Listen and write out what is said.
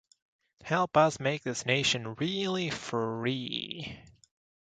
Help us make this nation really free.